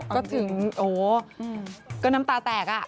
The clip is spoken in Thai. ก็ถึงโอ้ก็น้ำตาแตกอ่ะ